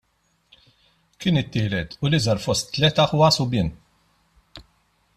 Kien it-tielet u l-iżgħar fost tliet aħwa subien.